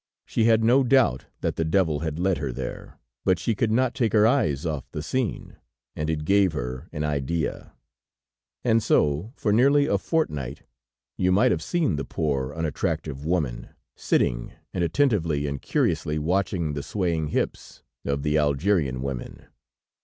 She had no doubt that the devil had led her there, but she could not take her eyes off the scene, and it gave her an idea; and so for nearly a fortnight you might have seen the poor, unattractive woman sitting, and attentively and curiously watching the swaying hips of the Algerian women.